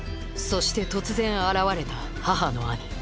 そして突然現れた母の兄